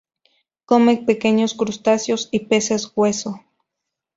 Come pequeños crustáceos y peces hueso.